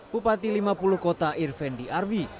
bupati lima puluh kota irvendi arbi